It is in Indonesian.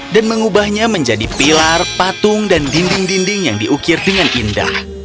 dan mengubahnya menjadi pilar patung dan dinding dinding yang diukir dengan indah